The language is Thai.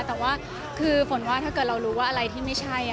แต่ว่าคือฝนว่าถ้าเกิดเรารู้ว่าอะไรที่ไม่ใช่